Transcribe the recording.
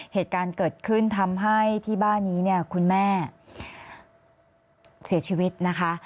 เหตุการณ์เกิดขึ้นทำให้ที่บ้านนี้เนี่ยคุณแม่เสียชีวิตนะคะ